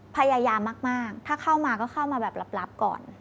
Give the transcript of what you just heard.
พยายามมากถ้าเข้ามาก็เข้ามาแบบลับก่อน